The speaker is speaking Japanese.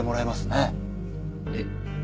えっ？